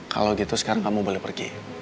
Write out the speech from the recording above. kalau gitu sekarang kamu boleh pergi